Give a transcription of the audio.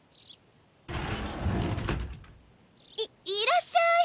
いっいらっしゃい。